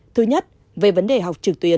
thứ nhất về vấn đề học trực tuyến